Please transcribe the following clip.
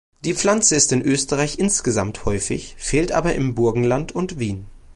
Die Pflanze ist in Österreich insgesamt häufig, fehlt aber im Burgenland und Wien.